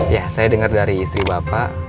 ya saya dengar dari istri bapak